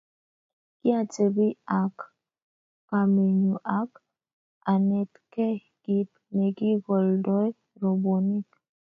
kiatebi ak kamenyu ak anetkei kiit nekikoldoi robwoniek